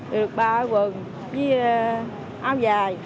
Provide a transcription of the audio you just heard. được ba quần với áo dài